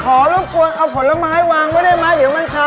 รบกวนเอาผลไม้วางไว้ได้ไหมเดี๋ยวมันชา